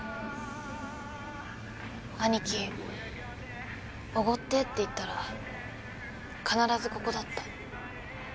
兄貴おごってって言ったら必ずここだった。